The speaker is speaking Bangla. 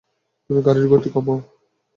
তুমি গাড়ির গতি কমাও।